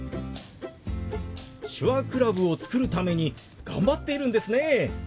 手話クラブを作るために頑張っているんですね。